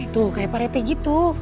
tuh kayak pak rete gitu